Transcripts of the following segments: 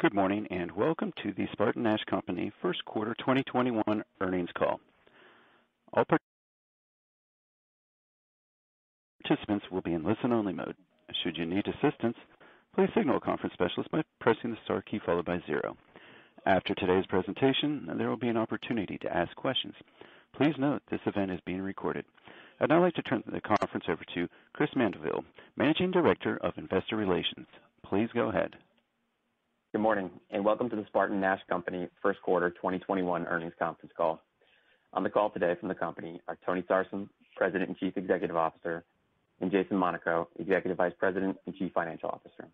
Good morning, and welcome to the SpartanNash Company First Quarter 2021 earnings call. I'd now like to turn the conference over to Chris Mandeville, Managing Director of Investor Relations. Please go ahead. Good morning, and welcome to the SpartanNash Company first quarter 2021 earnings conference call. On the call today from the company are Tony Sarsam, President and Chief Executive Officer, and Jason Monaco, Executive Vice President and Chief Financial Officer.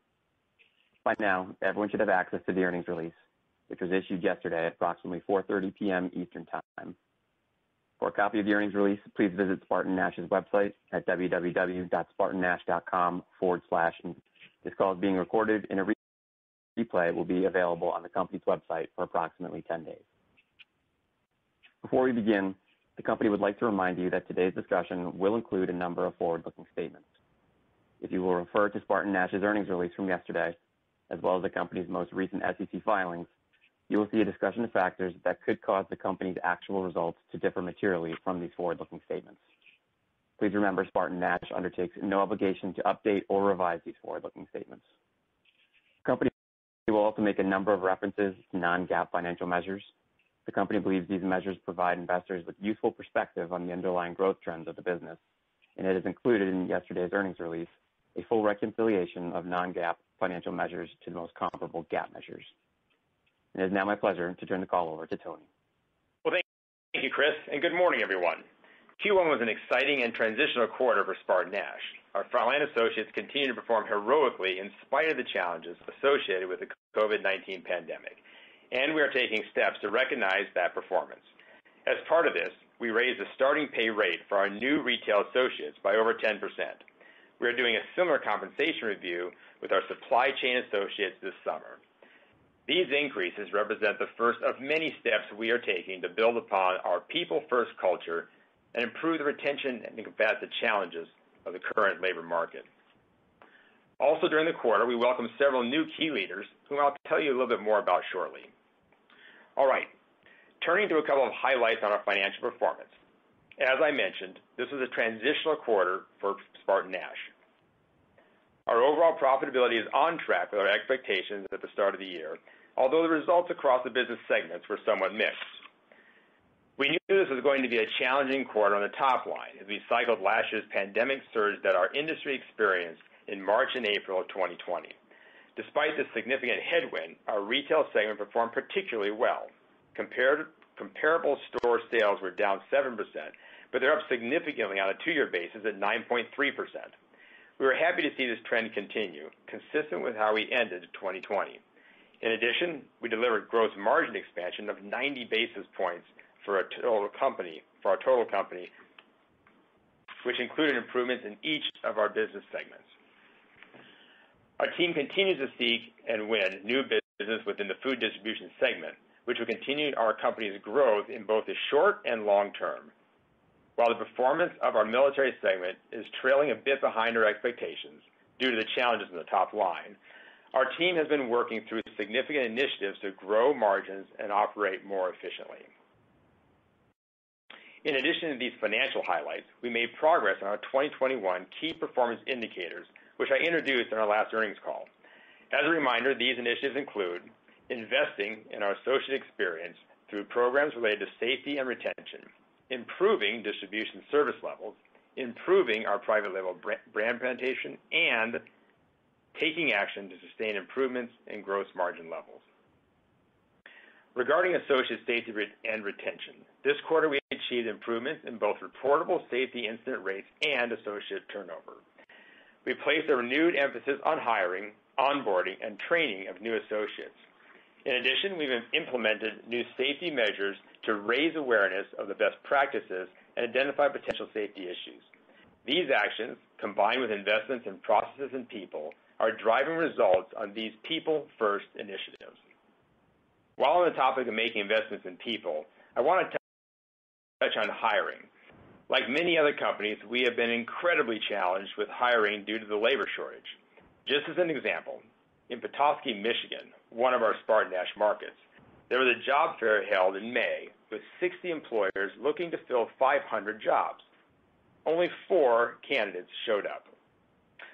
By now, everyone should have access to the earnings release, which was issued yesterday at approximately 4:30 P.M. Eastern Time. For a copy of the earnings release, please visit SpartanNash's website at www.spartannash.com/investors. This call is being recorded and a replay will be available on the company's website for approximately 10 days. Before we begin, the company would like to remind you that today's discussion will include a number of forward-looking statements. If you will refer to SpartanNash's earnings release from yesterday, as well as the company's most recent SEC filings, you will see a discussion of factors that could cause the company's actual results to differ materially from these forward-looking statements. Please remember, SpartanNash undertakes no obligation to update or revise these forward-looking statements. The company will also make a number of references to non-GAAP financial measures. The company believes these measures provide investors with useful perspective on the underlying growth trends of the business, and it is included in yesterday's earnings release, a full reconciliation of non-GAAP financial measures to the most comparable GAAP measures. It is now my pleasure to turn the call over to Tony. Well, thank you, Chris, and good morning, everyone. Q1 was an exciting and transitional quarter for SpartanNash. Our frontline associates continue to perform heroically in spite of the challenges associated with the COVID-19 pandemic, and we are taking steps to recognize that performance. As part of this, we raised the starting pay rate for our new retail associates by over 10%. We are doing a similar compensation review with our supply chain associates this summer. These increases represent the first of many steps we are taking to build upon our people first culture and improve the retention and combat the challenges of the current labor market. Also during the quarter, we welcomed several new key leaders, whom I'll tell you a little bit more about shortly. All right. Turning to a couple of highlights on our financial performance. As I mentioned, this was a transitional quarter for SpartanNash. Our overall profitability is on track with our expectations at the start of the year, although the results across the business segments were somewhat mixed. We knew this was going to be a challenging quarter on the top line as we cycled last year's pandemic surge that our industry experienced in March and April of 2020. Despite the significant headwind, our Retail segment performed particularly well. Comparable store sales were down 7%, but they're up significantly on a two-year basis at 9.3%. We were happy to see this trend continue, consistent with how we ended 2020. In addition, we delivered gross margin expansion of 90 basis points for our total company, which included improvements in each of our business segments. Our team continues to seek and win new business within the Food Distribution segment, which will continue our company's growth in both the short and long term. While the performance of our Military segment is trailing a bit behind our expectations due to the challenges in the top line, our team has been working through significant initiatives to grow margins and operate more efficiently. In addition to these financial highlights, we made progress on our 2021 Key Performance Indicators, which I introduced on our last earnings call. As a reminder, these initiatives include investing in our associate experience through programs related to safety and retention, improving distribution service levels, improving our private label brand presentation, and taking action to sustain improvements in gross margin levels. Regarding associate safety and retention, this quarter, we achieved improvements in both reportable safety incident rates and associate turnover. We placed a renewed emphasis on hiring, onboarding, and training of new associates. In addition, we've implemented new safety measures to raise awareness of the best practices and identify potential safety issues. These actions, combined with investments in processes and people, are driving results on these people first initiatives. While on the topic of making investments in people, I want to touch on hiring. Like many other companies, we have been incredibly challenged with hiring due to the labor shortage. Just as an example, in Petoskey, Michigan, one of our SpartanNash markets, there was a job fair held in May with 60 employers looking to fill 500 jobs. Only four candidates showed up.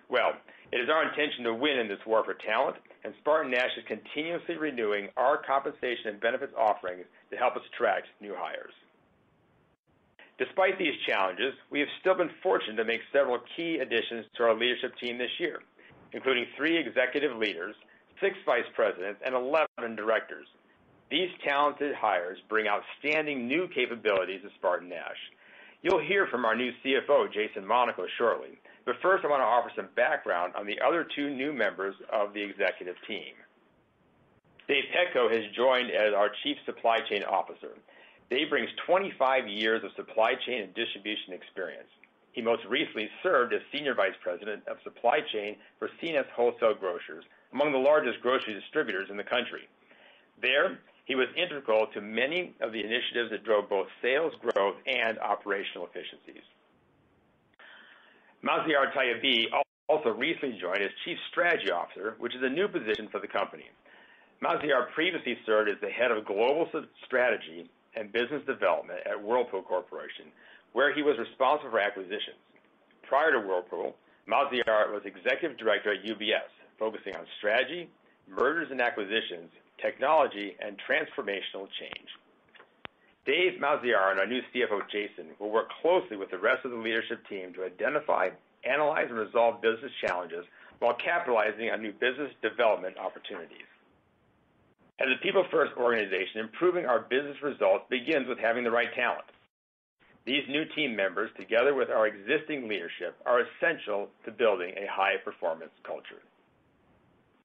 Well, it is our intention to win in this war for talent, and SpartanNash is continuously renewing our compensation and benefits offerings to help us attract new hires. Despite these challenges, we have still been fortunate to make several key additions to our leadership team this year, including three executive leaders, six vice presidents, and 11 directors. These talented hires bring outstanding new capabilities to SpartanNash. You'll hear from our new CFO, Jason Monaco, shortly, first, I want to offer some background on the other two new members of the executive team. Dave Petko has joined as our chief supply chain officer. Dave brings 25 years of supply chain and distribution experience. He most recently served as Senior Vice President of Supply Chain for C&S Wholesale Grocers, among the largest grocery distributors in the country. There, he was integral to many of the initiatives that drove both sales growth and operational efficiencies. Masiar Tayebi also recently joined as chief strategy officer, which is a new position for the company. Masiar previously served as the head of global strategy and business development at Whirlpool Corporation, where he was responsible for acquisitions. Prior to Whirlpool, Masiar was executive director at UBS, focusing on strategy, mergers and acquisitions, technology, and transformational change. Dave, Masiar, and our new CFO, Jason, will work closely with the rest of the leadership team to identify, analyze, and resolve business challenges while capitalizing on new business development opportunities. As a people-first organization, improving our business results begins with having the right talent. These new team members, together with our existing leadership, are essential to building a high-performance culture.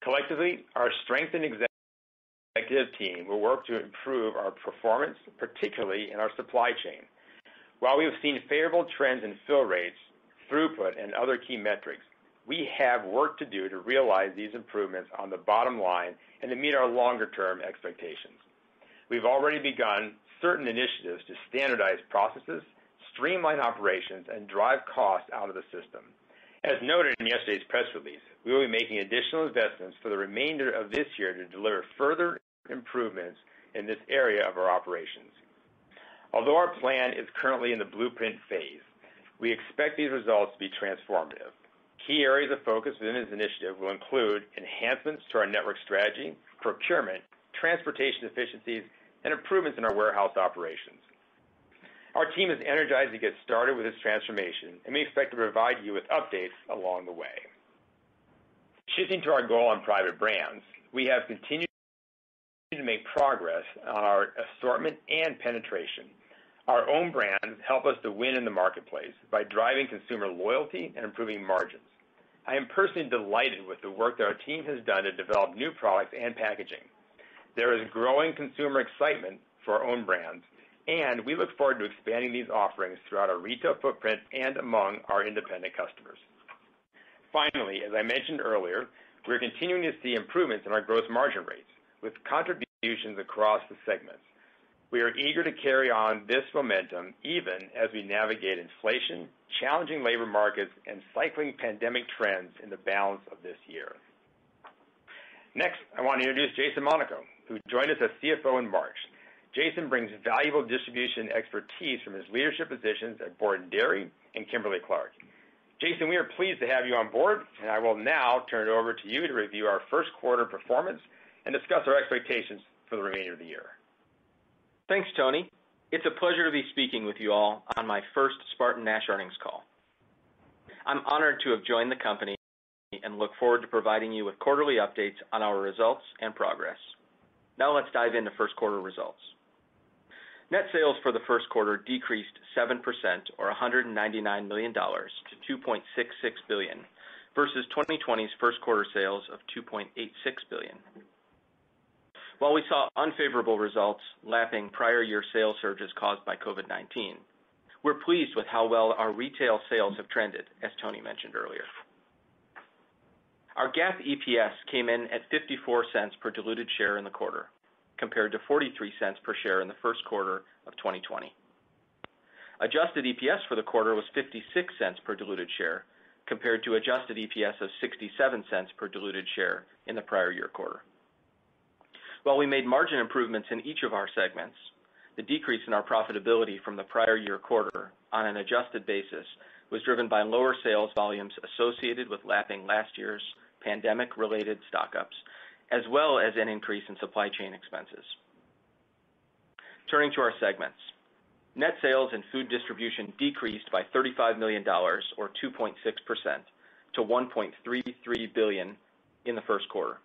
Collectively, our strengthened executive team will work to improve our performance, particularly in our supply chain. While we've seen favorable trends in fill rates, throughput, and other key metrics, we have work to do to realize these improvements on the bottom line and to meet our longer-term expectations. We've already begun certain initiatives to standardize processes, streamline operations, and drive costs out of the system. As noted in yesterday's press release, we will be making additional investments for the remainder of this year to deliver further improvements in this area of our operations. Although our plan is currently in the blueprint phase, we expect these results to be transformative. Key areas of focus in this initiative will include enhancements to our network strategy, procurement, transportation efficiencies, and improvements in our warehouse operations. Our team is energized to get started with this transformation, and we expect to provide you with updates along the way. Shifting to our goal on private brands, we have continued to make progress on our assortment and penetration. Our own brands help us to win in the marketplace by driving consumer loyalty and improving margins. I am personally delighted with the work that our team has done to develop new products and packaging. There is growing consumer excitement for our own brands, and we look forward to expanding these offerings throughout our retail footprint and among our independent customers. Finally, as I mentioned earlier, we're continuing to see improvements in our gross margin rates, with contributions across the segments. We are eager to carry on this momentum even as we navigate inflation, challenging labor markets, and cycling pandemic trends in the balance of this year. Next, I want to introduce Jason Monaco, who joined as a CFO in March. Jason brings valuable distribution expertise from his leadership positions at Borden Dairy and Kimberly-Clark. Jason, we are pleased to have you on board, and I will now turn it over to you to review our first quarter performance and discuss our expectations for the remainder of the year. Thanks, Tony. It's a pleasure to be speaking with you all on my first SpartanNash earnings call. I'm honored to have joined the company and look forward to providing you with quarterly updates on our results and progress. Let's dive into first quarter results. Net sales for the first quarter decreased 7% or $199 million to $2.66 billion, versus 2020's first quarter sales of $2.86 billion. While we saw unfavorable results lapping prior year sales surges caused by COVID-19, we're pleased with how well our Retail sales have trended, as Tony mentioned earlier. Our GAAP EPS came in at $0.54 per diluted share in the quarter, compared to $0.43 per share in the first quarter of 2020. Adjusted EPS for the quarter was $0.56 per diluted share, compared to Adjusted EPS of $0.67 per diluted share in the prior year quarter. While we made margin improvements in each of our segments, the decrease in our profitability from the prior year quarter on an adjusted basis was driven by lower sales volumes associated with lapping last year's pandemic-related stock-ups, as well as an increase in supply chain expenses. Turning to our segments. Net sales in Food Distribution decreased by $35 million, or 2.6%, to $1.33 billion in the first quarter.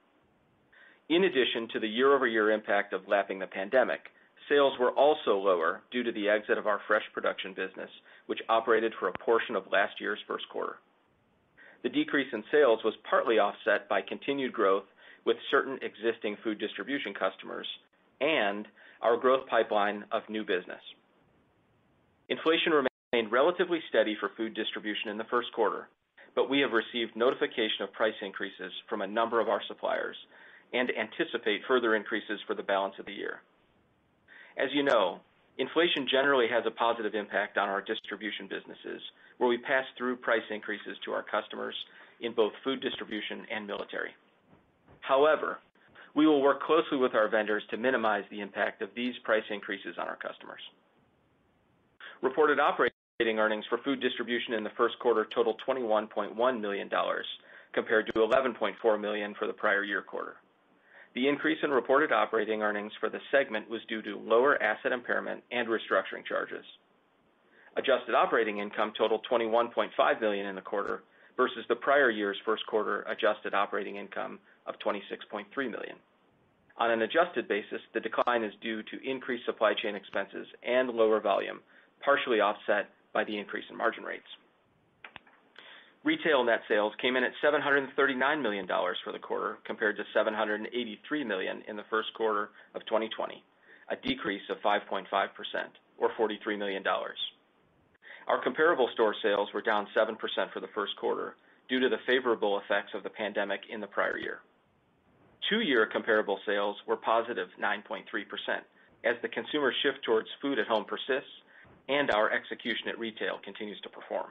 In addition to the year-over-year impact of lapping a pandemic, sales were also lower due to the exit of our fresh production business, which operated for a portion of last year's first quarter. The decrease in sales was partly offset by continued growth with certain existing food distribution customers and our growth pipeline of new business. Inflation remained relatively steady for Food Distribution in the first quarter, but we have received notification of price increases from a number of our suppliers and anticipate further increases for the balance of the year. As you know, inflation generally has a positive impact on our distribution businesses, where we pass through price increases to our customers in both Food Distribution and Military. However, we will work closely with our vendors to minimize the impact of these price increases on our customers. Reported operating earnings for Food Distribution in the first quarter totaled $21.1 million, compared to $11.4 million for the prior year quarter. The increase in reported operating earnings for the segment was due to lower asset impairment and restructuring charges. Adjusted operating income totaled $21.5 million in the quarter versus the prior year's first quarter adjusted operating income of $26.3 million. On an adjusted basis, the decline is due to increased supply chain expenses and lower volume, partially offset by the increase in margin rates. Retail net sales came in at $739 million for the quarter compared to $783 million in the first quarter of 2020, a decrease of 5.5% or $43 million. Our comparable store sales were down 7% for the first quarter due to the favorable effects of the pandemic in the prior year. Two-year comparable sales were positive 9.3%, as the consumer shift towards food at home persists and our execution at Retail continues to perform.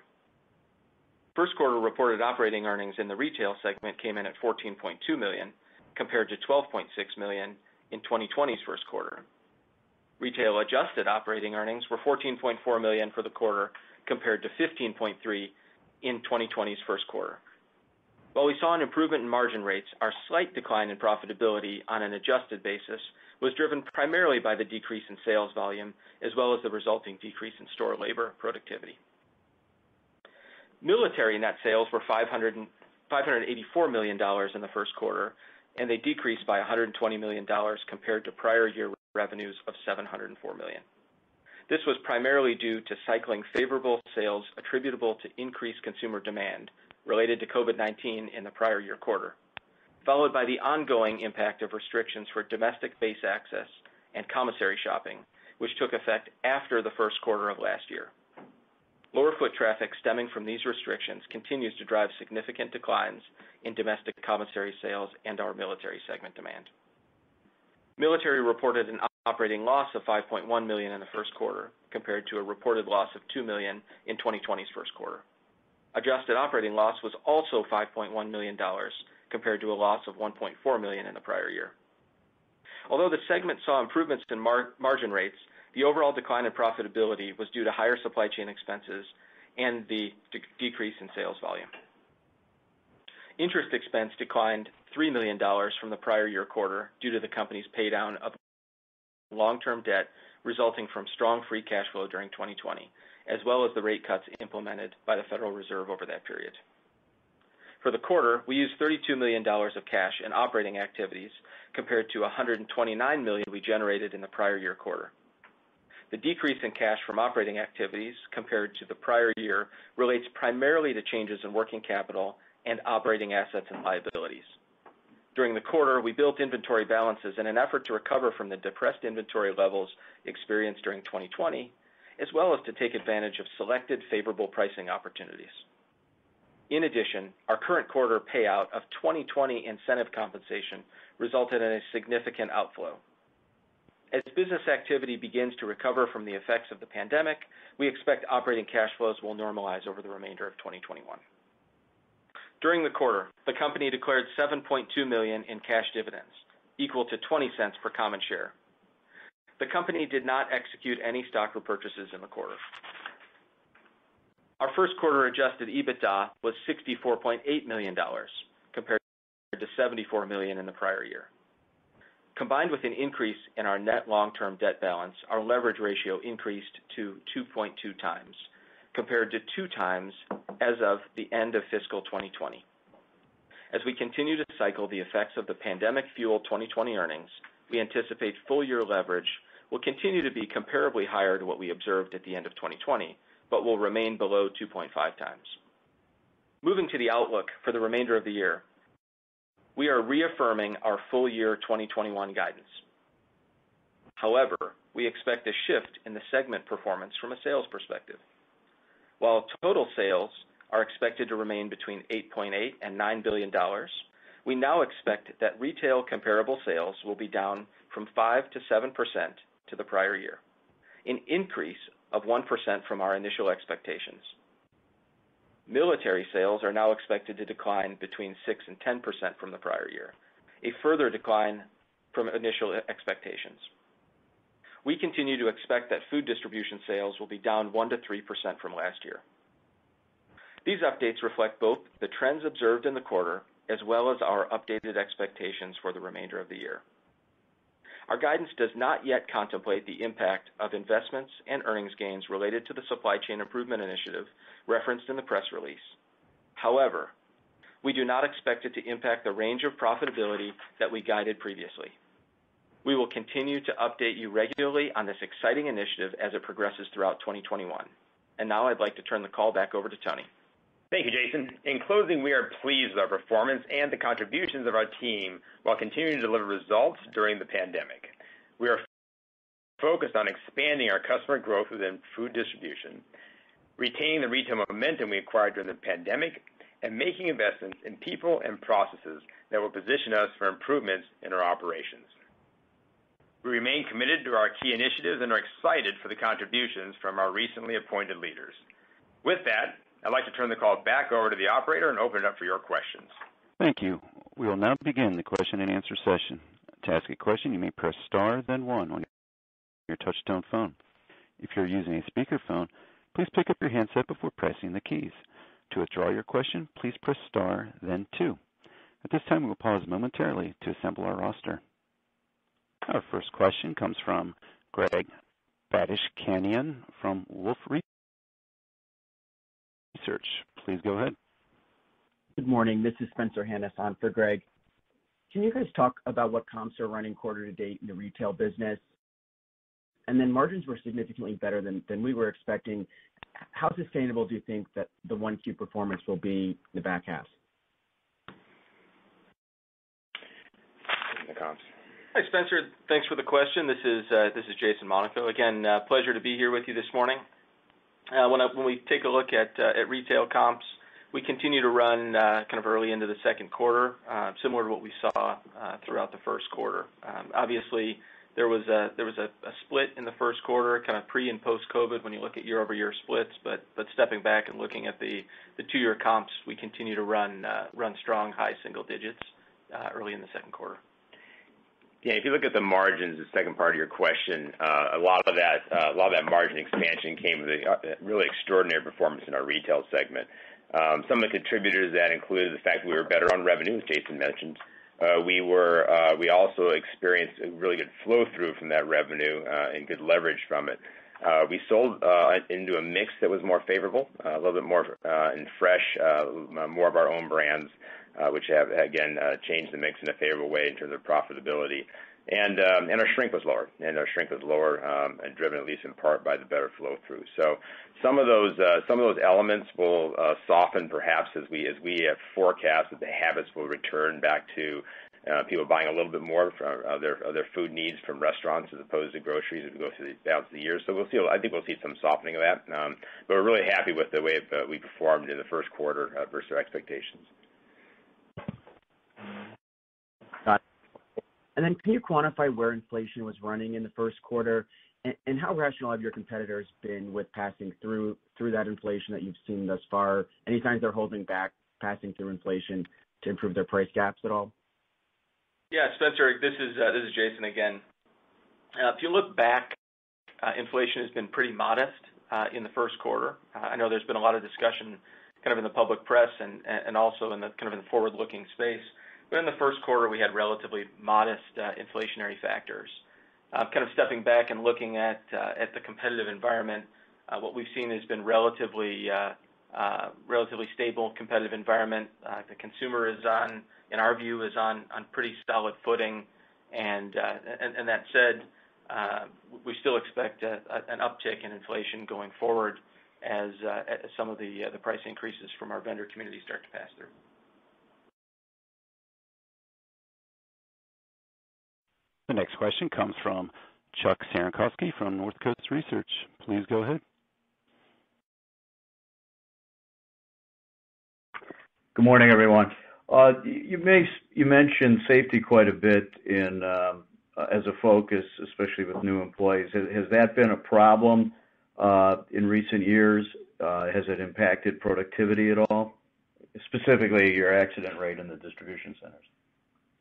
First quarter reported operating earnings in the Retail segment came in at $14.2 million, compared to $12.6 million in 2020's first quarter. Retail adjusted operating earnings were $14.4 million for the quarter, compared to $15.3 million in 2020's first quarter. While we saw an improvement in margin rates, our slight decline in profitability on an adjusted basis was driven primarily by the decrease in sales volume, as well as the resulting decrease in store labor productivity. Military net sales were $584 million in the first quarter, and they decreased by $120 million compared to prior year revenues of $704 million. This was primarily due to cycling favorable sales attributable to increased consumer demand related to COVID-19 in the prior year quarter, followed by the ongoing impact of restrictions for domestic base access and commissary shopping, which took effect after the first quarter of last year. Lower foot traffic stemming from these restrictions continues to drive significant declines in domestic commissary sales and our Military segment demand. Military reported an operating loss of $5.1 million in the first quarter, compared to a reported loss of $2 million in 2020's first quarter. Adjusted operating loss was also $5.1 million, compared to a loss of $1.4 million in the prior year. Although the segment saw improvements in margin rates, the overall decline in profitability was due to higher supply chain expenses and the decrease in sales volume. Interest expense declined $3 million from the prior year quarter due to the company's pay down of long-term debt resulting from strong free cash flow during 2020, as well as the rate cuts implemented by the Federal Reserve over that period. For the quarter, we used $32 million of cash in operating activities, compared to $129 million we generated in the prior year quarter. The decrease in cash from operating activities compared to the prior year relates primarily to changes in working capital and operating assets and liabilities. During the quarter, we built inventory balances in an effort to recover from the depressed inventory levels experienced during 2020, as well as to take advantage of selected favorable pricing opportunities. In addition, our current quarter payout of 2020 incentive compensation resulted in a significant outflow. As business activity begins to recover from the effects of the pandemic, we expect operating cash flows will normalize over the remainder of 2021. During the quarter, the company declared $7.2 million in cash dividends, equal to $0.20 per common share. The company did not execute any stock repurchases in the quarter. Our first quarter adjusted EBITDA was $64.8 million, compared to $74 million in the prior year. Combined with an increase in our net long-term debt balance, our leverage ratio increased to 2.2x, compared to 2x as of the end of fiscal 2020. As we continue to cycle the effects of the pandemic-fueled 2020 earnings, we anticipate full year leverage will continue to be comparably higher to what we observed at the end of 2020, but will remain below 2.5x. Moving to the outlook for the remainder of the year, we are reaffirming our full year 2021 guidance. However, we expect a shift in the segment performance from a sales perspective. While total sales are expected to remain between $8.8 billion and $9 billion, we now expect that retail comparable sales will be down from 5%-7% to the prior year, an increase of 1% from our initial expectations. Military sales are now expected to decline between 6% and 10% from the prior year, a further decline from initial expectations. We continue to expect that Food Distribution sales will be down 1%-3% from last year. These updates reflect both the trends observed in the quarter as well as our updated expectations for the remainder of the year. Our guidance does not yet contemplate the impact of investments and earnings gains related to the supply chain improvement initiative referenced in the press release. However, we do not expect it to impact the range of profitability that we guided previously. We will continue to update you regularly on this exciting initiative as it progresses throughout 2021. Now I'd like to turn the call back over to Tony. Thank you, Jason. In closing, we are pleased with our performance and the contributions of our team while continuing to deliver results during the pandemic. We are focused on expanding our customer growth within Food Distribution, retaining the Retail momentum we acquired during the pandemic, and making investments in people and processes that will position us for improvements in our operations. We remain committed to our key initiatives and are excited for the contributions from our recently appointed leaders. With that, I'd like to turn the call back over to the operator and open it up for your questions. Thank you. We'll now begin the question and answer session. To ask a question, you may press star then one on your touchtone phone. If you are using a speakerphone, please pick up your handset before pressing the keys. To withdraw your question, please press star then two. At this time, we'll pause momentarily to assemble our roster. Our first question comes from Greg Badishkanian from Wolfe Research. Please go ahead. Good morning. This is Spencer Hanus on for Greg. Can you guys talk about what comps are running quarter to date in the Retail business? Margins were significantly better than we were expecting. How sustainable do you think that the one, two performance will be in the back half? Hi, Spencer. Thanks for the question. This is Jason Monaco. Again, pleasure to be here with you this morning. When we take a look at Retail comps, we continue to run early into the second quarter, similar to what we saw throughout the first quarter. Obviously, there was a split in the first quarter, pre and post-COVID, when you look at year-over-year splits. Stepping back and looking at the two-year comps, we continue to run strong high single digits early in the second quarter. Yeah, if you look at the margins, the second part of your question, a lot of that margin expansion came with a really extraordinary performance in our Retail segment. Some of the contributors to that include the fact we were better on revenue, as Jason mentioned. We also experienced a really good flow-through from that revenue and good leverage from it. We sold into a mix that was more favorable, a little bit more in fresh, more of our own brands, which have, again, changed the mix in a favorable way in terms of profitability. Our shrink was lower and driven, at least in part, by the better flow-through. Some of those elements will soften, perhaps, as we have forecast, that the habits will return back to people buying a little bit more of their food needs from restaurants as opposed to groceries as we go down through the years. I think we'll see some softening of that. We're really happy with the way we performed in the first quarter versus our expectations. Got it. Can you quantify where inflation was running in the first quarter? How rational have your competitors been with passing through that inflation that you've seen thus far? Any signs they're holding back passing through inflation to improve their price gaps at all? Yeah, Spencer, this is Jason again. If you look back, inflation has been pretty modest in the first quarter. I know there's been a lot of discussion in the public press and also in the forward-looking space. In the first quarter, we had relatively modest inflationary factors. Stepping back and looking at the competitive environment, what we've seen has been relatively stable, competitive environment. The consumer, in our view, is on pretty solid footing. That said, we still expect an uptick in inflation going forward as some of the price increases from our vendor community start to pass through. The next question comes from Chuck Cerankosky from Northcoast Research. Please go ahead. Good morning, everyone. You mentioned safety quite a bit as a focus, especially with new employees. Has that been a problem in recent years? Has it impacted productivity at all, specifically your accident rate in the distribution centers?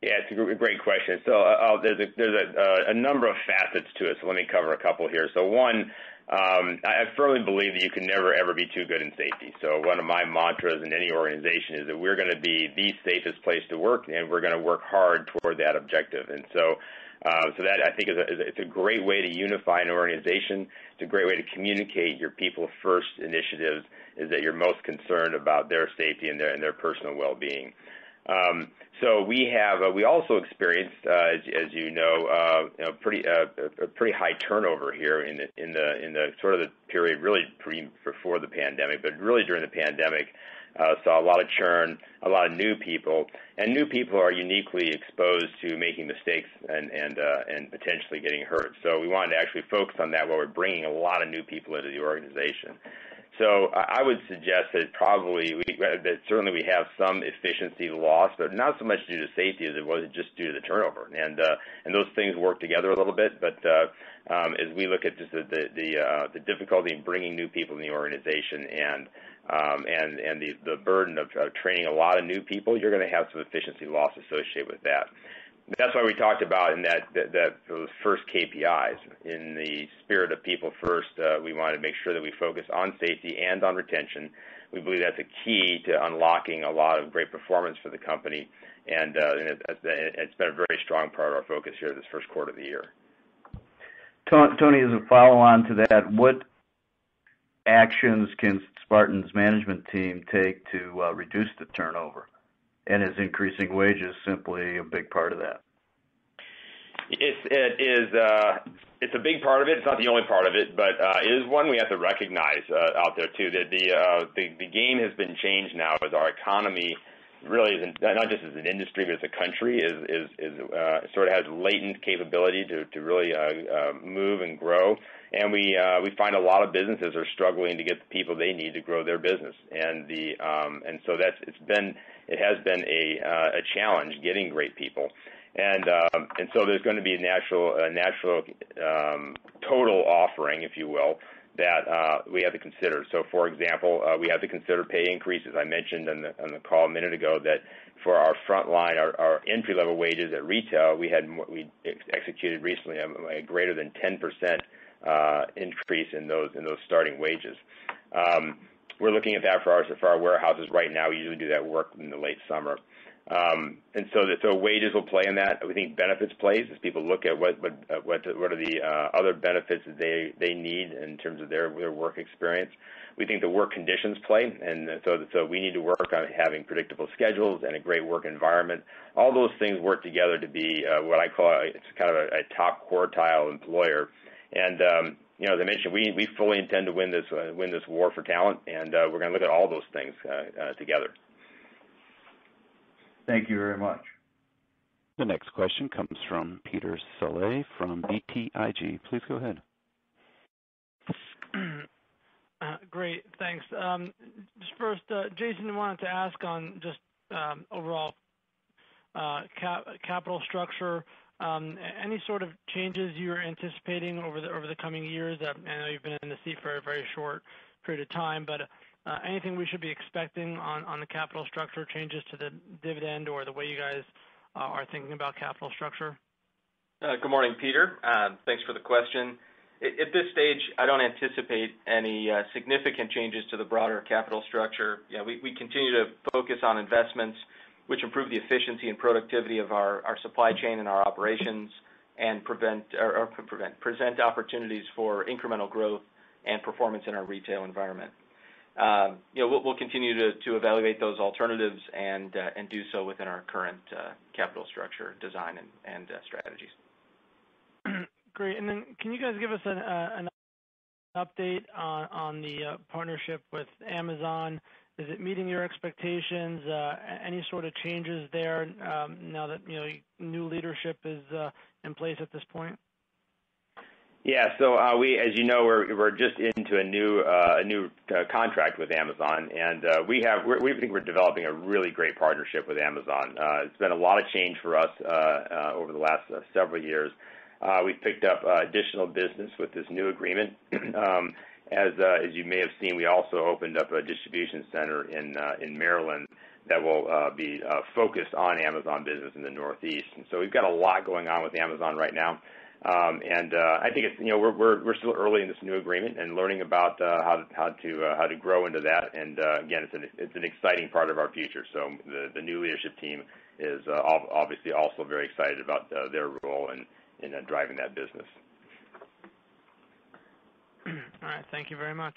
Yeah, it's a great question. There's a number of facets to it, so let me cover a couple here. One, I firmly believe that you can never, ever be too good in safety. One of my mantras in any organization is that we're going to be the safest place to work, and we're going to work hard toward that objective. That, I think, it's a great way to unify an organization. It's a great way to communicate your people first initiatives, is that you're most concerned about their safety and their personal well-being. We also experienced, as you know, a pretty high turnover here in the period really before the pandemic. Really during the pandemic, saw a lot of churn, a lot of new people. New people are uniquely exposed to making mistakes and potentially getting hurt. We wanted to actually focus on that while we're bringing a lot of new people into the organization. I would suggest that certainly we have some efficiency loss, but not so much due to safety as it was just due to the turnover. Those things work together a little bit. As we look at just the difficulty in bringing new people in the organization and the burden of training a lot of new people, you're going to have some efficiency loss associated with that. That's why we talked about in those first KPIs. In the spirit of people first, we want to make sure that we focus on safety and on retention. We believe that's a key to unlocking a lot of great performance for the company. It's been a very strong part of our focus here this first quarter of the year. Tony, as a follow-on to that, what actions can Spartan's management team take to reduce the turnover? Is increasing wages simply a big part of that? It's a big part of it. It's not the only part of it, but it is one we have to recognize out there, too. The game has been changed now as our economy really, not just as an industry, but as a country, sort of has latent capability to really move and grow. We find a lot of businesses are struggling to get the people they need to grow their business. It has been a challenge getting great people. There's going to be a natural total offering, if you will, that we have to consider. For example, we have to consider pay increases. I mentioned on the call a minute ago that for our frontline, our entry-level wages at retail, we executed recently a greater than 10% increase in those starting wages. We're looking at that for our warehouses right now. We usually do that work in the late summer. Wages will play in that. We think benefits plays as people look at what are the other benefits that they need in terms of their work experience. We think the work conditions play, and so we need to work on having predictable schedules and a great work environment. All those things work together to be what I call a top quartile employer. As I mentioned, we fully intend to win this war for talent, and we're going to look at all those things together. Thank you very much. The next question comes from Peter Saleh from BTIG. Please go ahead. Great. Thanks. Just first, Jason, wanted to ask on just overall capital structure. Any sort of changes you're anticipating over the coming years? I know you've been in the seat for a very short period of time, but anything we should be expecting on the capital structure changes to the dividend or the way you guys are thinking about capital structure? Good morning, Peter. Thanks for the question. At this stage, I don't anticipate any significant changes to the broader capital structure. We continue to focus on investments which improve the efficiency and productivity of our supply chain and our operations and present opportunities for incremental growth and performance in our retail environment. We'll continue to evaluate those alternatives and do so within our current capital structure, design, and strategies. Great. Can you guys give us an update on the partnership with Amazon? Is it meeting your expectations? Any sort of changes there now that new leadership is in place at this point? Yeah. We, as you know, we're just into a new contract with Amazon, and we think we're developing a really great partnership with Amazon. It's been a lot of change for us over the last several years. We've picked up additional business with this new agreement. As you may have seen, we also opened up a distribution center in Maryland that will be focused on Amazon business in the Northeast. We've got a lot going on with Amazon right now. I think we're still early in this new agreement and learning about how to grow into that. Again, it's an exciting part of our future. The new leadership team is obviously also very excited about their role in driving that business. All right. Thank you very much.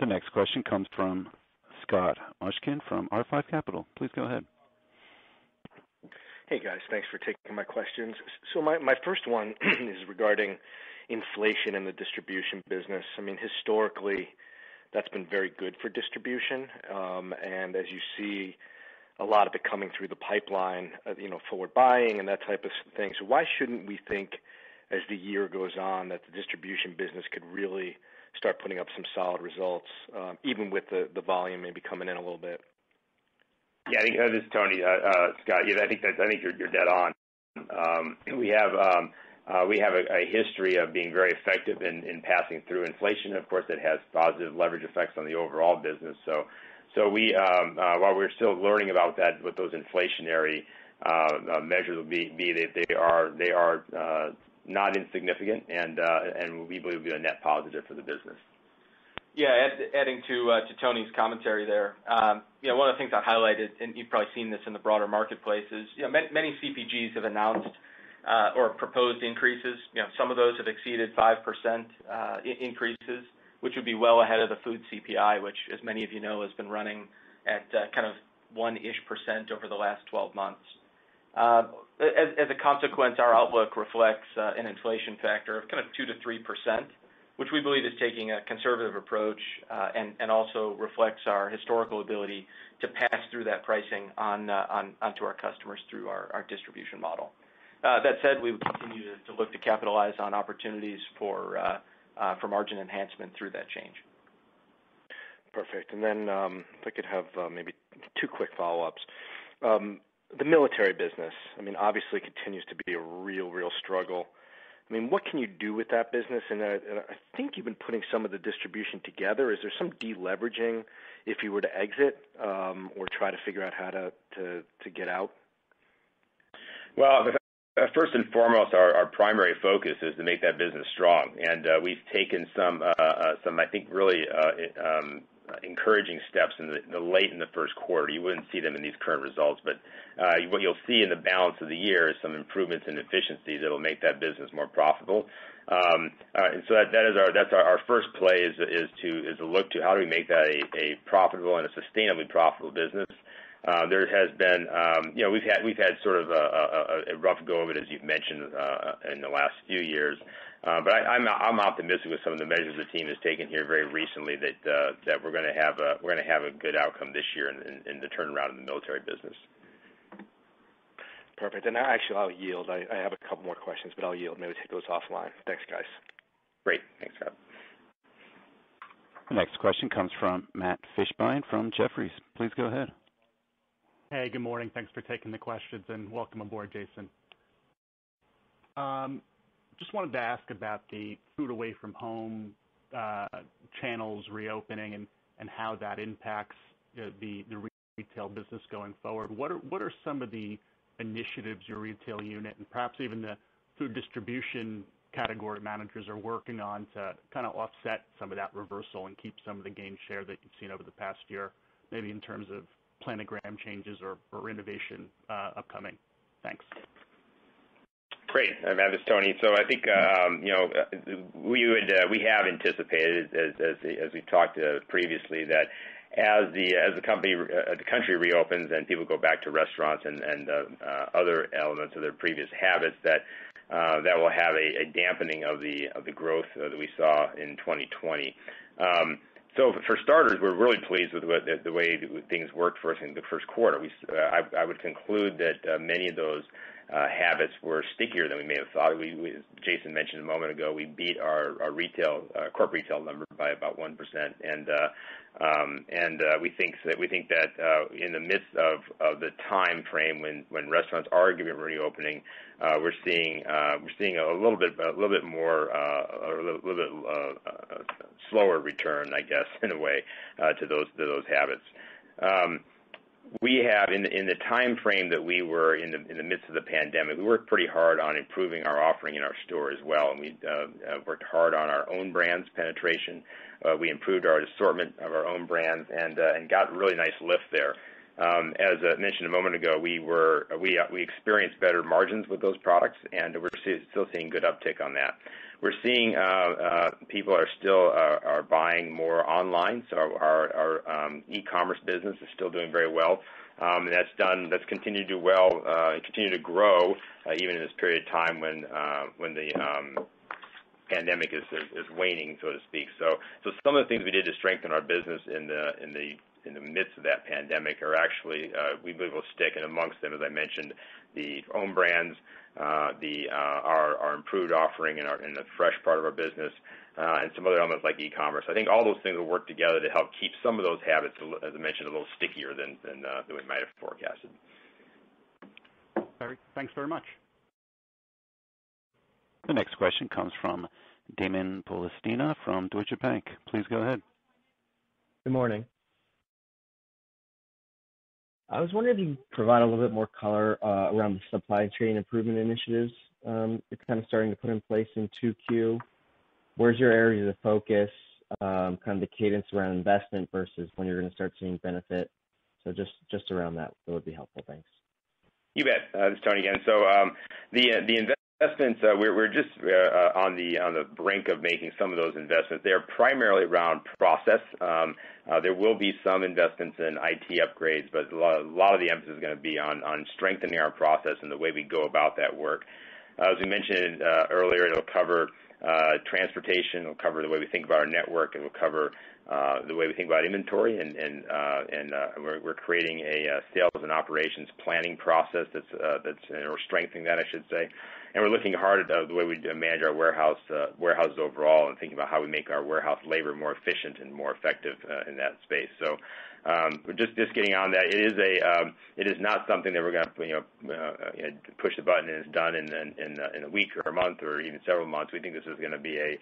The next question comes from Scott Mushkin from R5 Capital. Please go ahead. Hey, guys. Thanks for taking my questions. My first one is regarding inflation in the distribution business. Historically, that's been very good for distribution. As you see a lot of it coming through the pipeline, forward buying and that type of thing. Why shouldn't we think, as the year goes on, that the distribution business could really start putting up some solid results, even with the volume maybe coming in a little bit? Yeah, this is Tony. Scott, I think you're dead on. We have a history of being very effective in passing through inflation. Of course, it has positive leverage effects on the overall business. While we're still learning about that, what those inflationary measures will be, they are not insignificant, and we believe will be a net positive for the business. Adding to Tony's commentary there. One of the things I highlighted, and you've probably seen this in the broader marketplace, is many CPGs have announced or proposed increases. Some of those have exceeded 5% increases, which would be well ahead of the food CPI, which, as many of you know, has been running at kind of one-ish percent over the last 12 months. As a consequence, our outlook reflects an inflation factor of kind of 2%-3%, which we believe is taking a conservative approach and also reflects our historical ability to pass through that pricing onto our customers through our distribution model. That said, we will continue to look to capitalize on opportunities for margin enhancement through that change. Perfect. Then if I could have maybe two quick follow-ups. The Military business, obviously continues to be a real struggle. What can you do with that business? I think you've been putting some of the distribution together. Is there some de-leveraging if you were to exit or try to figure out how to get out? First and foremost, our primary focus is to make that business strong. We've taken some, I think, really encouraging steps late in the first quarter. You wouldn't see them in these current results, but what you'll see in the balance of the year is some improvements in efficiencies that'll make that business more profitable. That's our first play is to look to how do we make that a profitable and a sustainably profitable business. We've had sort of a rough go of it, as you've mentioned, in the last few years. I'm optimistic with some of the measures the team has taken here very recently that we're going to have a good outcome this year in the turnaround in the Military business. Actually, I'll yield. I have a couple more questions, but I'll yield and maybe take those offline. Thanks, guys. Great. Thanks, Scott. The next question comes from Matt Fishbein from Jefferies. Please go ahead. Hey, good morning. Thanks for taking the questions, and welcome aboard, Jason. Just wanted to ask about the food away from home channels reopening and how that impacts the Retail business going forward. What are some of the initiatives your retail unit and perhaps even the Food Distribution category managers are working on to kind of offset some of that reversal and keep some of the gain share that you've seen over the past year, maybe in terms of planogram changes or innovation upcoming? Thanks. Great. Matt, this is Tony. I think we have anticipated, as we've talked previously, that as the country reopens and people go back to restaurants and other elements of their previous habits, that will have a dampening of the growth that we saw in 2020. For starters, we're really pleased with the way things worked for us in the first quarter. I would conclude that many of those habits were stickier than we may have thought. Jason mentioned a moment ago, we beat our corporate retail number by about 1%. We think that in the midst of the timeframe when restaurants aren't even reopening, we're seeing a little bit slower return, I guess, in a way, to those habits. In the timeframe that we were in the midst of the pandemic, we worked pretty hard on improving our offering in our store as well, and we worked hard on our own brands penetration. We improved our assortment of our own brands and got a really nice lift there. As I mentioned a moment ago, we experienced better margins with those products, and we're still seeing good uptake on that. We're seeing people are still buying more online. Our e-commerce business is still doing very well. That's continued to do well, continued to grow, even in this period of time when the pandemic is waning, so to speak. Some of the things we did to strengthen our business in the midst of that pandemic are actually, we believe, will stick. Amongst them, as I mentioned, the own brands, our improved offering in the fresh part of our business, and some of the others like e-commerce. I think all those things will work together to help keep some of those habits, as I mentioned, a little stickier than we might have forecasted. All right. Thanks very much. The next question comes from Damon Polistina from Deutsche Bank. Please go ahead. Good morning. I was wondering if you could provide a little bit more color around the supply chain improvement initiatives that you're starting to put in place in 2Q. Where's your area to focus, the cadence around investment versus when you're going to start seeing benefit? Just around that would be helpful. Thanks. You bet. Tony again. The investments, we're just on the brink of making some of those investments. They're primarily around process. There will be some investments in IT upgrades, but a lot of the emphasis is going to be on strengthening our process and the way we go about that work. As we mentioned earlier, it'll cover transportation, it'll cover the way we think about our network, and it'll cover the way we think about inventory and we're creating a sales and operations planning process that's, we're strengthening that, I should say. We're looking hard at the way we demand our warehouse overall and think about how we make our warehouse labor more efficient and more effective in that space. Just getting on that. It is not something that we're going to push the button and it's done in a week or a month or even several months. We think this is going to be a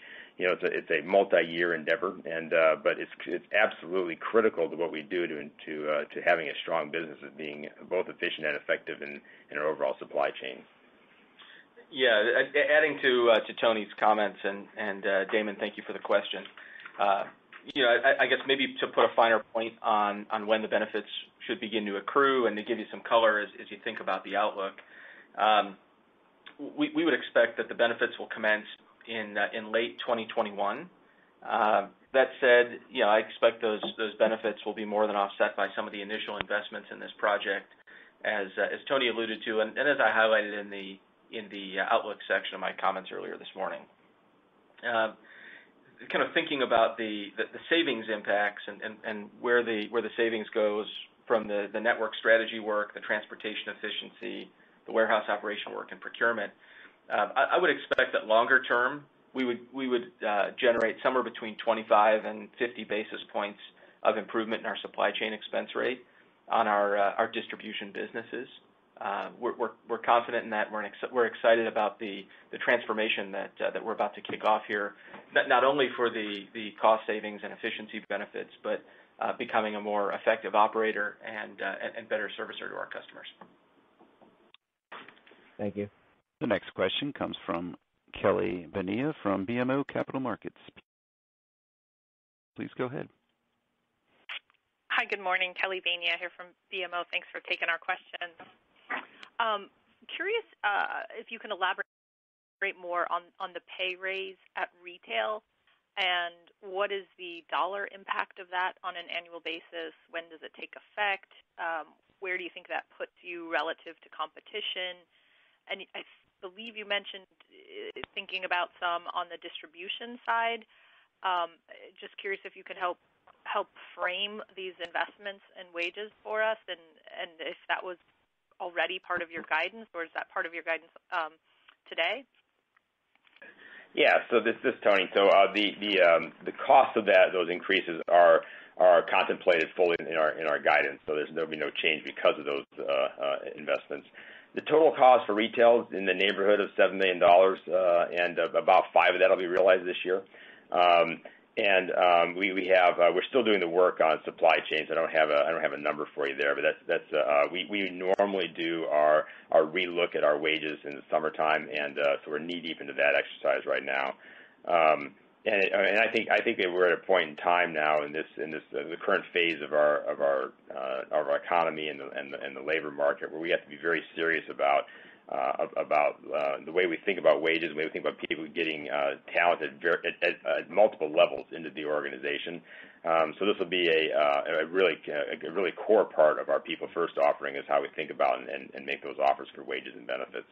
multi-year endeavor. It's absolutely critical to what we do to having a strong business of being both efficient and effective in our overall supply chain. Adding to Tony's comments and, Damon, thank you for the question. I guess maybe to put a finer point on when the benefits should begin to accrue and to give you some color as you think about the outlook. We would expect that the benefits will commence in late 2021. That said, I expect those benefits will be more than offset by some of the initial investments in this project as Tony alluded to and as I highlighted in the outlook section of my comments earlier this morning. Kind of thinking about the savings impacts and where the savings goes from the network strategy work, the transportation efficiency, the warehouse operation work, and procurement. I would expect that longer term, we would generate somewhere between 25 and 50 basis points of improvement in our supply chain expense rate on our distribution businesses. We're confident in that, and we're excited about the transformation that we're about to kick off here, not only for the cost savings and efficiency benefits but becoming a more effective operator and better servicer to our customers. Thank you. The next question comes from Kelly Bania from BMO Capital Markets. Please go ahead. Hi, good morning. Kelly Bania here from BMO. Thanks for taking our questions. Curious if you could elaborate more on the pay raise at retail, what is the dollar impact of that on an annual basis? When does it take effect? Where do you think that puts you relative to competition? I believe you mentioned thinking about some on the distribution side. Just curious if you could help frame these investments and wages for us if that was already part of your guidance, or is that part of your guidance today? Yeah. This is Tony. The cost of those increases are contemplated fully in our guidance, so there'll be no change because of those investments. The total cost for retail is in the neighborhood of $7 million, and about 5 of that will be realized this year. We're still doing the work on supply chains. I don't have a number for you there, but we normally do our relook at our wages in the summertime, we're knee-deep into that exercise right now. I think that we're at a point in time now in this current phase of our economy and the labor market, where we have to be very serious about the way we think about wages and the way we think about people getting talented at multiple levels into the organization. This will be a really core part of our people-first offering is how we think about and make those offers for wages and benefits.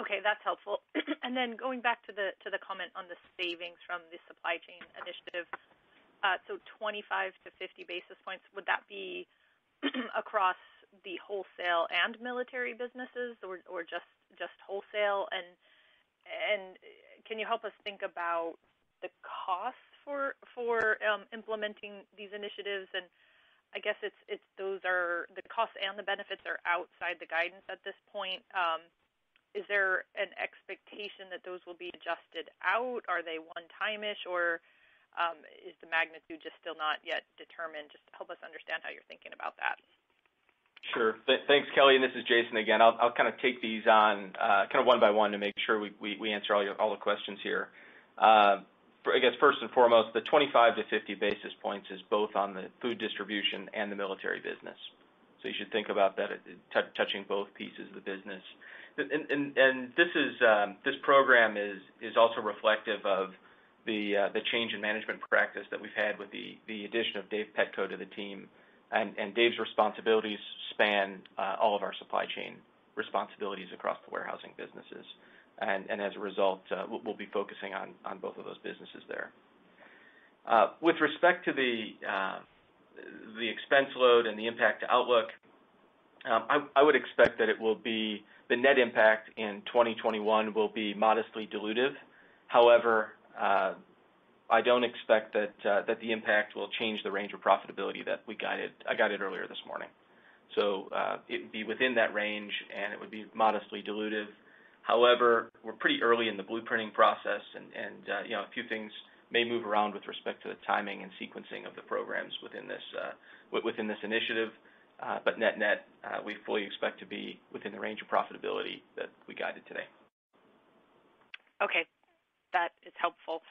Okay, that's helpful. Then going back to the comment on the savings from the supply chain initiative. 25-50 basis points, would that be across the Wholesale and Military businesses, or just Wholesale? Can you help us think about the cost for implementing these initiatives? I guess the cost and the benefits are outside the guidance at this point. Is there an expectation that those will be adjusted out? Are they one-time-ish, or is the magnitude just still not yet determined? Just help us understand how you're thinking about that. Sure. Thanks, Kelly. This is Jason again. I'll take these on one by one to make sure we answer all the questions here. I guess first and foremost, the 25-50 basis points is both on the Food Distribution and the Military business. You should think about that touching both pieces of the business. This program is also reflective of the change in management practice that we've had with the addition of Dave Petko to the team. Dave's responsibilities span all of our supply chain responsibilities across the warehousing businesses. As a result, we'll be focusing on both of those businesses there. With respect to the expense load and the impact to outlook, I would expect that the net impact in 2021 will be modestly dilutive. However, I don't expect that the impact will change the range of profitability that we guided earlier this morning. It'd be within that range, and it would be modestly dilutive. However, we're pretty early in the blueprinting process, and a few things may move around with respect to the timing and sequencing of the programs within this initiative. Net-net, we fully expect to be within the range of profitability that we guided today. Okay. That is helpful.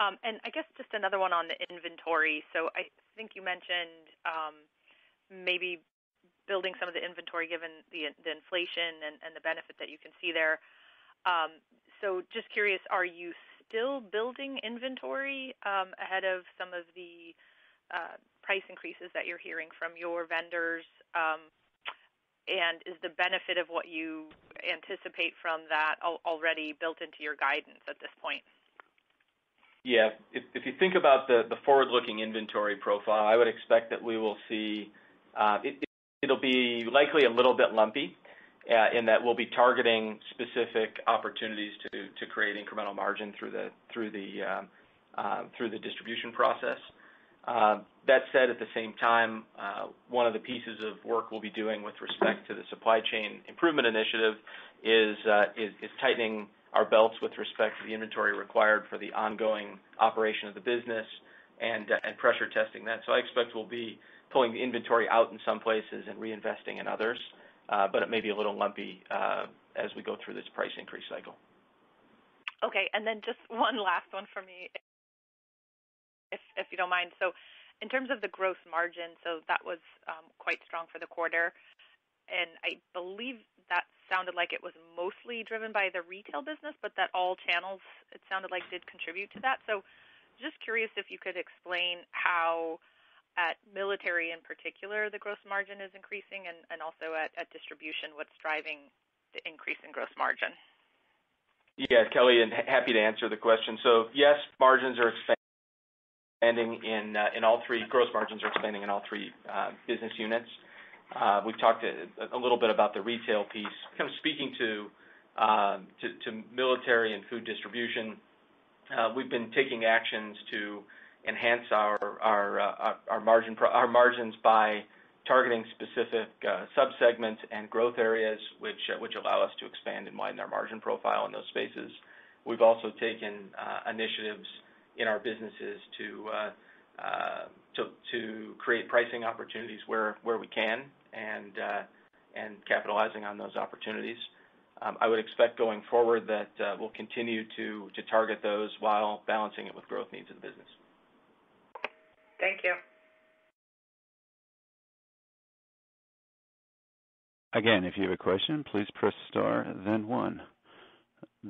I guess just another one on the inventory. I think you mentioned maybe building some of the inventory given the inflation and the benefits that you can see there. Just curious, are you still building inventory ahead of some of the price increases that you're hearing from your vendors? Is the benefit of what you anticipate from that already built into your guidance at this point? Yeah. If you think about the forward-looking inventory profile, I would expect that it'll be likely a little bit lumpy, in that we'll be targeting specific opportunities to create incremental margin through the distribution process. That said, at the same time, one of the pieces of work we'll be doing with respect to the supply chain improvement initiative is tightening our belts with respect to the inventory required for the ongoing operation of the business and pressure testing that. I expect we'll be pulling inventory out in some places and reinvesting in others. It may be a little lumpy as we go through this price increase cycle. Okay, and then just one last one from me, if you don't mind. In terms of the gross margin, that was quite strong for the quarter, and I believe that sounded like it was mostly driven by the Retail business, but that all channels, it sounded like, did contribute to that. Just curious if you could explain how at Military in particular, the gross margin is increasing and also at distribution, what's driving the increase in gross margin? Yeah, Kelly, happy to answer the question. Yes, gross margins are expanding in all three business units. We've talked a little bit about the Retail piece. Kind of speaking to Military and Food Distribution, we've been taking actions to enhance our margins by targeting specific sub-segments and growth areas which allow us to expand and widen our margin profile in those spaces. We've also taken initiatives in our businesses to create pricing opportunities where we can and capitalizing on those opportunities. I would expect going forward that we'll continue to target those while balancing it with growth needs of the business. Thank you. Again, if you have a question, please press star then one.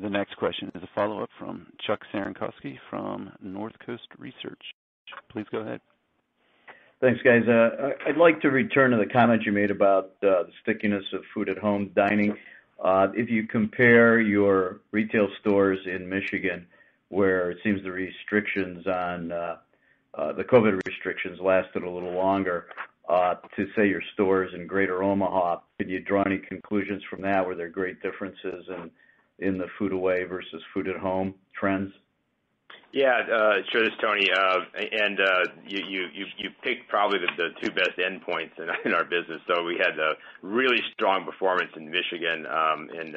The next question is a follow-up from Chuck Cerankosky from Northcoast Research. Please go ahead. Thanks, guys. I'd like to return to the comment you made about the stickiness of food at home dining. If you compare your retail stores in Michigan, where it seems the COVID restrictions lasted a little longer to, say, your stores in Greater Omaha, could you draw any conclusions from that? Were there great differences in the food away versus food at home trends? Yeah. Sure, Tony. You picked probably the two best endpoints in our business. We had a really strong performance in Michigan in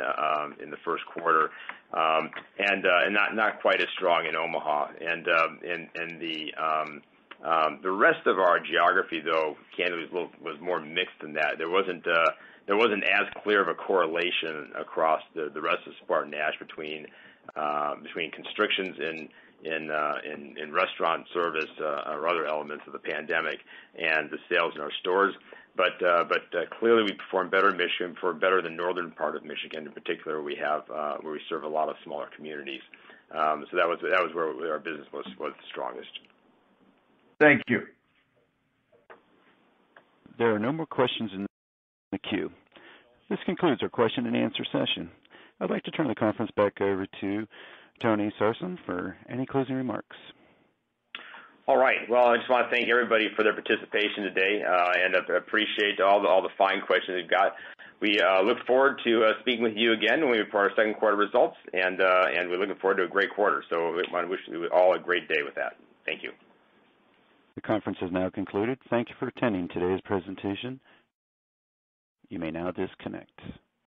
the first quarter, and not quite as strong in Omaha. The rest of our geography, though, candidly was more mixed than that. There wasn't as clear of a correlation across the rest of SpartanNash between constrictions in restaurant service or other elements of the pandemic and the sales in our stores. Clearly, we performed better in Michigan, performed better in the northern part of Michigan in particular, where we serve a lot of smaller communities. That was where our business was strongest. Thank you. There are no more questions in the queue. This concludes our question and answer session. I'd like to turn the conference back over to Tony Sarsam for any closing remarks. All right. Well, I just want to thank everybody for their participation today. I appreciate all the fine questions you've got. We look forward to speaking with you again for our second quarter results. We're looking forward to a great quarter. I wish you all a great day with that. Thank you. The conference is now concluded. Thank you for attending today's presentation. You may now disconnect.